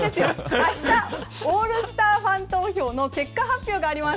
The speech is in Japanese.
明日、オールスターファン投票の結果発表があります。